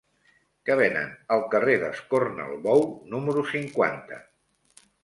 Què venen al carrer d'Escornalbou número cinquanta?